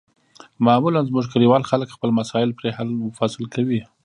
معمولا زموږ کلیوال خلک خپل مسایل پرې حل و فصل کوي.